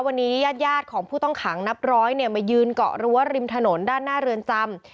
วันนี้ญาติของผู้ต้องขังนับร้อยเนี่ยมายืนเกาะรั้วริมถนนด้านหน้าเรือนจำ